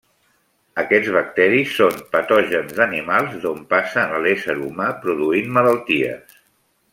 Aquests bacteris són patògens d'animals, d'on passen a l'ésser humà produint malalties.